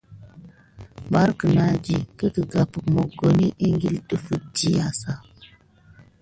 Mbar kənandi ? Ke gambit mokoni klele défete diya ne ras.